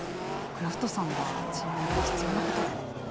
クラフトさんは賃上げに必要なこと。